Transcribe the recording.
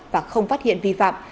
và không phát hiện vi phạm